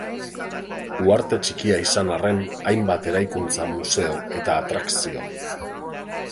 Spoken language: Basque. Uharte txikia izan arren, hainbat eraikuntza, museo eta atrakzio.